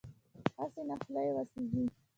هسې نه خوله یې وسېزي.